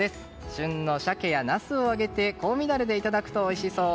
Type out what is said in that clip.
旬のシャケやナスを揚げて香味ダレでいただくとおいしそう。